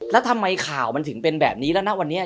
แล้วทำไมข่าวมันถึงเป็นแบบนี้แล้วนะวันนี้